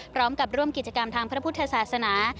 พร้อมกับร่วมกิจกรรมทางพระพุทธศาสนา